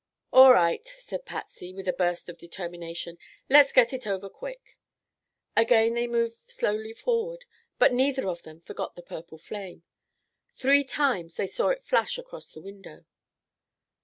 "All right," said Patsy, with a burst of determination. "Let's get it over quick." Again they moved slowly forward, but neither of them forgot the purple flame. Three times they saw it flash across the window.